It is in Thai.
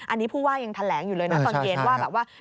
อันนี้ผู้ว่ายังแถลงอยู่เลยนะตอนเย็นว่าแบบว่า